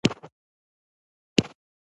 زه کوشش کوم، چي سالم خواړه وخورم.